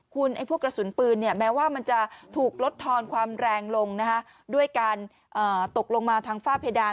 คุณไอ้พวกกระสุนปืนแม้ว่ามันจะถูกลดทอนความแรงลงด้วยการตกลงมาทางฝ้าเพดาน